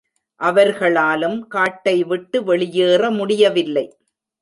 அவர்களாலும் காட்டை விட்டு வெளியேற முடியவில்லை.